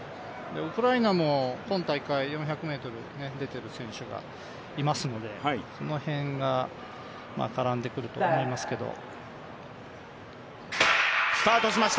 ウクライナも今大会、４００ｍ出ている選手がいますので、その辺が、絡んでくると思いますけれども。